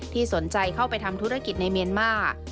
สนใจเข้าไปทำธุรกิจในเมียนมาร์